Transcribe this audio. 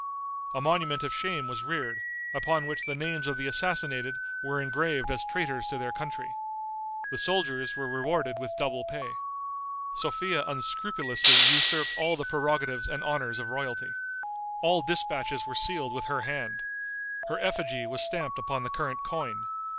A monument of shame was reared, upon which the names of the assassinated were engraved as traitors to their country. The soldiers were rewarded with double pay. Sophia unscrupulously usurped all the prerogatives and honors of royalty. All dispatches were sealed with her hand. Her effigy was stamped upon the current coin.